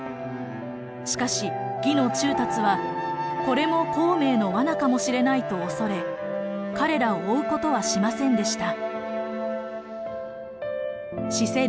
しかし魏の仲達はこれも孔明の罠かもしれないと恐れ彼らを追うことはしませんでした。